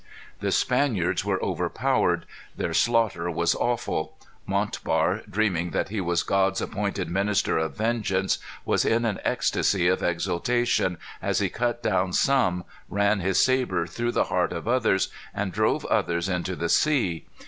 The Spaniards were overpowered. Their slaughter was awful. Montbar, dreaming that he was God's appointed minister of vengeance, was in an ecstasy of exultation, as he cut down some, ran his sabre through the heart of others, and drove others into the sea.